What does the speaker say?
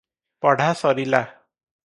ପଢ଼ା ସରିଲା ।